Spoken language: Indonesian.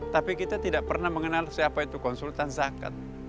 tapi kita tidak pernah mengenal siapa itu konsultan zakat